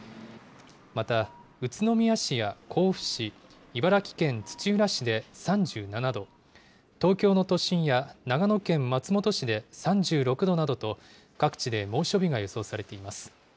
また、宇都宮市や甲府市、茨城県土浦市で３７度、東京の都心や長野県松本市で３６度などと、各地で猛暑日が予想されています。